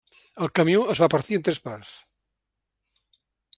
El camió es va partir en tres parts.